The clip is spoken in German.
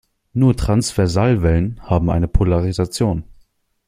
Nur Transversalwellen haben eine Polarisation.